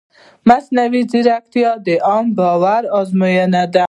مصنوعي ځیرکتیا د عامه باور ازموینه ده.